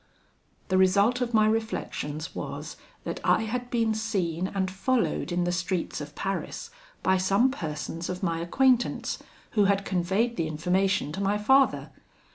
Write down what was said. "The result of my reflections was, that I had been seen and followed in the streets of Paris by some persons of my acquaintance, who had conveyed the information to my father.